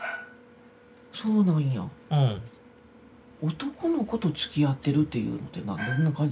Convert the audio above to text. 男の子とつきあってるっていうのってどんな感じなんやろ。